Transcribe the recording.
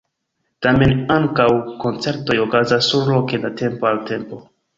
Tamen ankaŭ koncertoj okazas surloke de tempo al tempo.